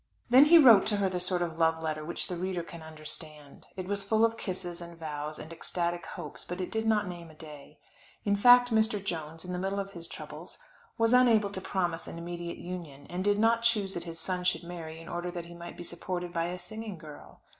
Then he wrote to her the sort of love letter which the reader can understand. It was full of kisses and vows and ecstatic hopes but did not name a day. In fact Mr. Jones, in the middle of his troubles, was unable to promise an immediate union, and did not choose that his son should marry in order that he might be supported by a singing girl.